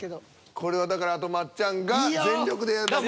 これはだからあとは松ちゃんが全力でやるだけ。